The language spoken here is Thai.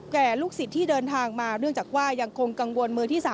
ลูกศิษย์ที่เดินทางมาเนื่องจากว่ายังคงกังวลมือที่๓